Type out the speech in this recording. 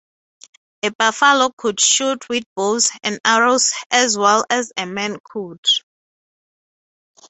A buffalo could shoot with bows and arrows as well as a man could.